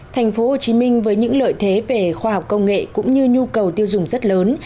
thành phố hồ chí minh với những lợi thế về khoa học công nghệ cũng như nhu cầu tiêu dùng rất lớn